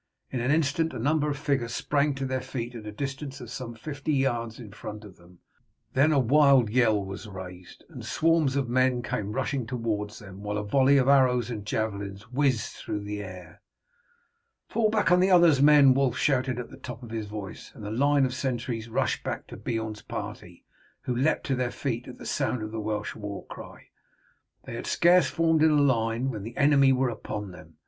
In an instant a number of figures sprang to their feet at a distance of some fifty yards in front of them. Then a wild yell was raised, and swarms of men came rushing towards them, while a volley of arrows and javelins whizzed through the air. "Fall back on the others, men!" Wulf shouted at the top of his voice, and the line of sentries rushed back to Beorn's party, who leapt to their feet at the sound of the Welsh war cry. They had scarce formed in line when the enemy were upon them.